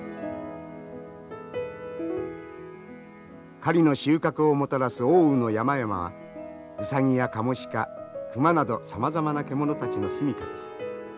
狩りの収穫をもたらす奥羽の山々はウサギやカモシカ熊などさまざまな獣たちの住みかです。